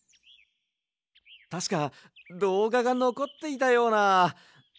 たしかどうががのこっていたような。